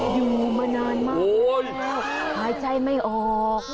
อยู่มานานมากหายใจไม่ออก